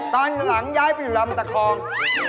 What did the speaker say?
ตอนหลังย้ายไปอยู่ลำตะคอง